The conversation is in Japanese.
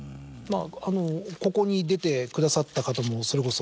ここに出てくださった方もそれこそ。